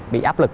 bị áp lực